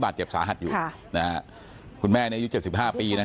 เพราะไม่เคยถามลูกสาวนะว่าไปทำธุรกิจแบบไหนอะไรยังไง